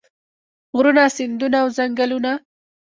غرونه سیندونه او ځنګلونه.